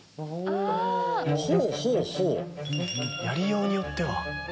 やりようによっては。